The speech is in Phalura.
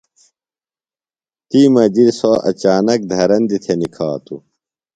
تی مجیۡ سوۡ اچانک دھرندیۡ تھےۡ نِکھاتوۡ۔